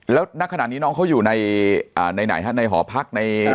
แล้วณขนาดนี้น้องเขาอยู่ในไหนฮะในหอพัก